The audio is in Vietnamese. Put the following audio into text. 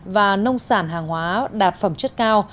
và nông sản hàng hóa đạt phẩm chất cao